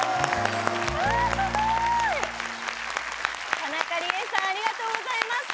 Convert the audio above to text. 田中理恵さんありがとうございました！